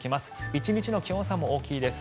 １日の気温差も大きいです。